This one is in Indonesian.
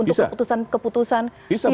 untuk keputusan keputusan pidana lainnya